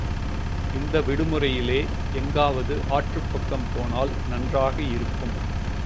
இந்த விடுமுறையிலே எங்காவது ஆற்றுப்பக்கம் போனால் நன்றாக இருக்கும்.